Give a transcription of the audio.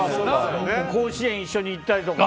甲子園一緒に行ったりとか。